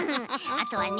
あとはね